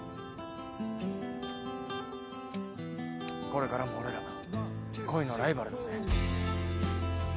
これからも俺ら恋のライバルだぜ。